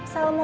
ya itu dong